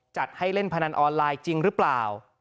จัดให้เล่นพนันออนไลน์จริงหรือเปล่า